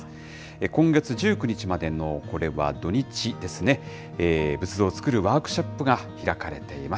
今月１９日までのこれは土日ですね、仏像をつくるワークショップが開かれています。